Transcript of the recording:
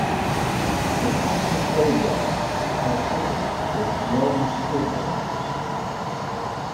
"There is something cold there," said Tuppy, with growing cheerfulness.